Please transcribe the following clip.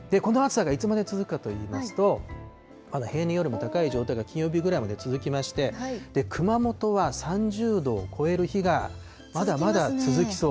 この暑さがいつまで続くかといいますと、まだ平年よりも高い状態が金曜日ぐらいまで続きまして、熊本は３０度を超える日がまだまだ続きそう。